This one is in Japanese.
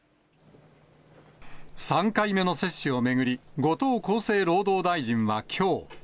３回目の接種を巡り、後藤厚生労働大臣はきょう。